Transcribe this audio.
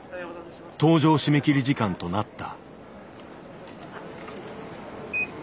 搭乗締め切り時間となった。